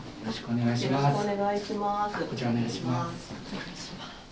よろしくお願いします。